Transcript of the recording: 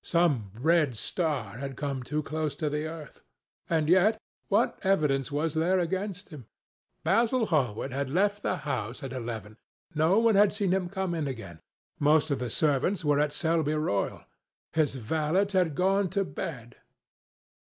Some red star had come too close to the earth.... And yet, what evidence was there against him? Basil Hallward had left the house at eleven. No one had seen him come in again. Most of the servants were at Selby Royal. His valet had gone to bed....